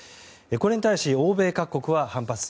これに対し、欧米各国は反発。